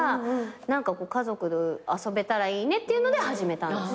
何か家族で遊べたらいいねっていうので始めたんです。